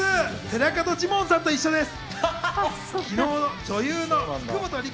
寺門ジモンさんと一緒です。